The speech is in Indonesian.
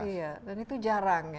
iya dan itu jarang ya